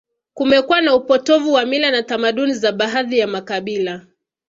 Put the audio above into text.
Kumekuwa na upotovu wa mila na tamaduni za baadhi ya makabila